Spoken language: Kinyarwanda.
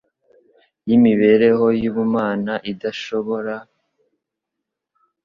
y'imibereho y'ubumana idasbobora kumera.